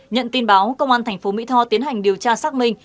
nhận tin báo công an thành phố mỹ tho tiến hành điều tra xác minh